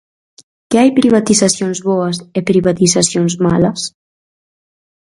¿Que hai privatizacións boas e privatizacións malas?